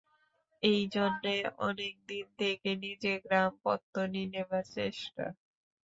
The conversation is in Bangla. এইজন্যে অনেক দিন থেকে নিজের গ্রাম পত্তনি নেবার চেষ্টা।